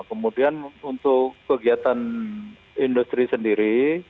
kemudian untuk kegiatan industri sendiri